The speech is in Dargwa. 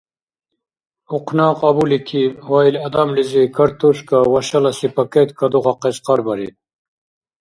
Ухъна кьабуликиб ва ил адамлизи картошка ва шаласи пакет кадухахъес хъарбариб.